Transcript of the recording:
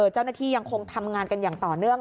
เจ้าหน้าที่ยังคงทำงานกันอย่างต่อเนื่อง